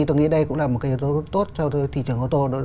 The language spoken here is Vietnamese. tôi nghĩ đây cũng là một cái dấu tốt cho thị trường ô tô